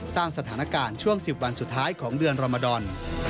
สร้างสถานการณ์ช่วง๑๐วันสุดท้ายของเดือนรมดอน